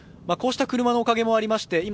こうした車のおかげもありまして